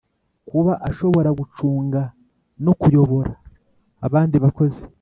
kuba ashobora gucunga no kuyobora abandi bakozi